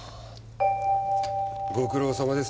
ご苦労さまです